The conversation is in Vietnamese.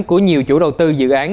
của nhiều chủ đầu tư dự án